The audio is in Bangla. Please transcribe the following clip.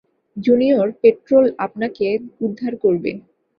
জুনিয়র পেট্রোল আপনাকে উদ্ধার করবে।